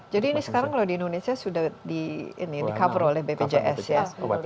jadi ini sekarang kalau di indonesia sudah di cover oleh bpjs ya